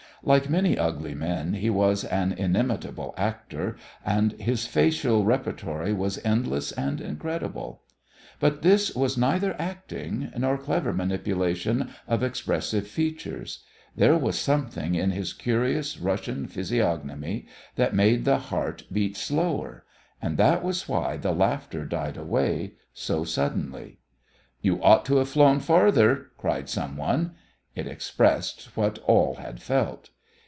Like many ugly men, he was an inimitable actor, and his facial repertory was endless and incredible. But this was neither acting nor clever manipulation of expressive features. There was something in his curious Russian physiognomy that made the heart beat slower. And that was why the laughter died away so suddenly. "You ought to have flown farther," cried some one. It expressed what all had felt.